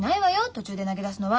途中で投げ出すのは。